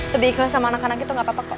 lebih iklan sama anak anak gitu gak apa apa kok